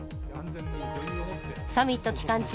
サミット期間中